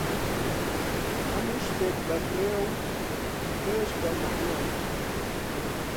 هەموو شتێک بە خوێ، و خوێش بە مەعنا.